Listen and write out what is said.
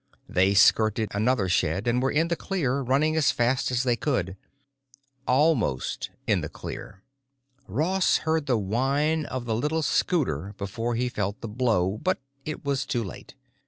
They skirted another shed and were in the clear, running as fast as they could. Almost in the clear. Ross heard the whine of the little scooter before he felt the blow, but it was too late.